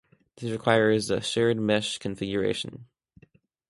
This requires a shared mesh configuration.